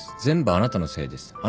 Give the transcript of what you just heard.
全部あなたのせいです。